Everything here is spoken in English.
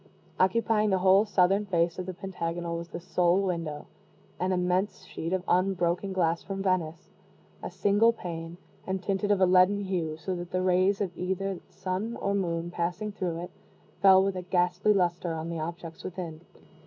Occupying the whole southern face of the pentagonal was the sole window an immense sheet of unbroken glass from Venice a single pane, and tinted of a leaden hue, so that the rays of either the sun or moon passing through it, fell with a ghastly luster on the objects within.